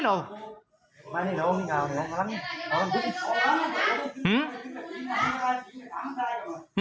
อ่าน้ำล้างดู